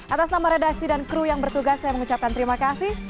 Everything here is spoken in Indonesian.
atas nama redaksi dan kru yang bertugas saya mengucapkan terima kasih